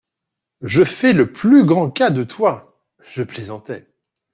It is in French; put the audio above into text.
Je fais le plus grand cas De toi… je plaisantais.